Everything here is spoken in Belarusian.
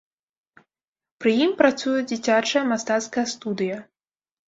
Пры ім працуе дзіцячая мастацкая студыя.